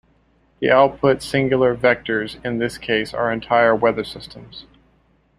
The output singular vectors in this case are entire weather systems.